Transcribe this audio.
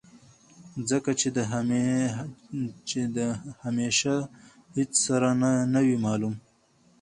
ځکه چې د همېشه هېڅ سر نۀ وي معلوم